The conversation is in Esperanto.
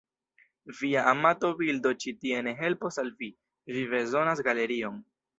Via amata bildo ĉi tie ne helpos al vi, vi bezonas galerion.